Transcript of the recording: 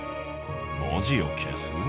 文字を消す？